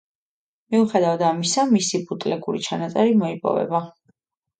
მიუხედავად ამისა, მისი ბუტლეგური ჩანაწერი მოიპოვება.